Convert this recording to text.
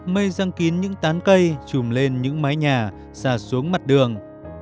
mây răng kín những tán cây chùm lên những mái nhà xa xuống mặt đường